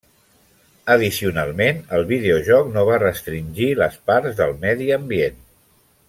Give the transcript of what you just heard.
Addicionalment, el videojoc no va restringir les parts del medi ambient.